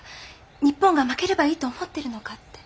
日本が負ければいいと思ってるのかって。